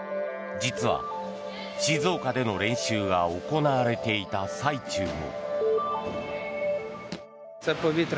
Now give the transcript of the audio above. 実は静岡での練習が行われていた最中も。